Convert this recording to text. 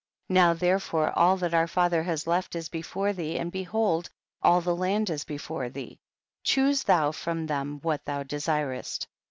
18. Now therefore all that our fa ther has left is before liiee, and be hold all the land is before thee ; choose thou from them what thou desirest.